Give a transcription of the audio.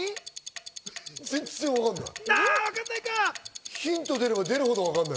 全然わかんない。